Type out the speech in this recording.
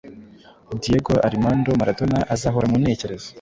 Diego Armando Maradona azahora mu ntekerezo